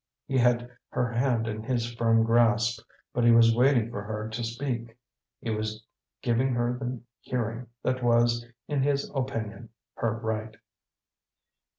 He had her hand in his firm grasp, but he was waiting for her to speak. He was giving her the hearing that was, in his opinion, her right.